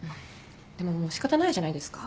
でももう仕方ないじゃないですか。